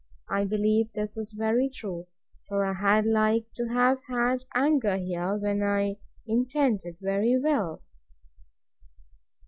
I believe this is very true; for I had like to have had anger here, when I intended very well.